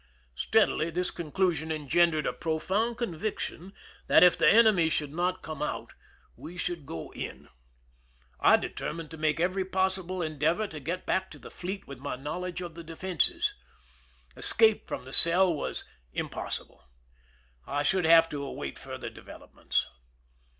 Steadily this conclusion engendered a profound conviction that if the enemy should not come out we should go in. I determined to make every possible endeavor to get back to the fleet with my knowledge of the defenses. Escape from the cell was impossible. I should have to await fur ther developments.